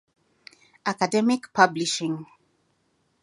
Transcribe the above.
Academic Publishing